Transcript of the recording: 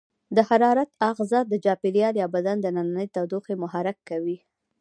د حرارت آخذه د چاپیریال یا بدن دننۍ تودوخه محرک کوي.